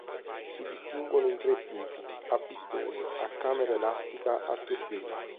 Si distinguono in tre tipi: a pistone, a camera elastica, a turbina.